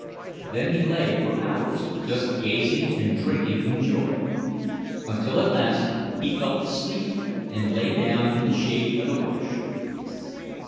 Then he lay for hours, just gazing and drinking in joy; until at last he felt sleepy, and lay down in the shade of a bush.